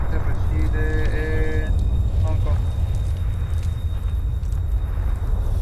Cuando un fragmento cae a la Tierra se llama ""Drop"".